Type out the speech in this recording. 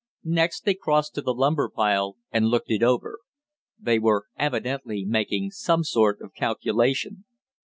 Next they crossed to the lumber pile and looked it over. They were evidently making some sort of calculation.